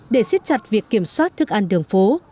để siết chặt việc kiểm soát thức ăn đường phố